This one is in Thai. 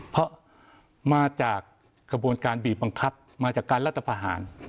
เพราะมาจากกระบวนการบีบบังคับมาจากการรัฐพาหาร